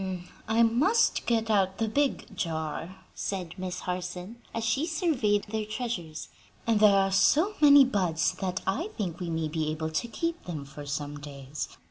"I must get out the big jar," said Miss Harson as she surveyed their treasures, "and there are so many buds that I think we may be able to keep them for some days.